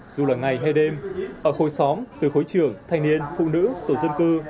dù là ngày hay đêm ở khối xóm từ khối trưởng thanh niên phụ nữ tổ dân cư